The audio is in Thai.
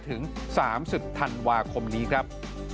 ถึง๓๐ธันวาคมนี้ครับ